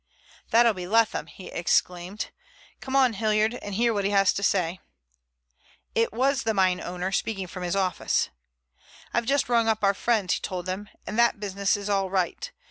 "That'll be Leatham," he exclaimed. "Come on, Hilliard, and hear what he has to say." It was the mineowner speaking from his office. "I've just rung up our friends," he told them, "and that business is all right.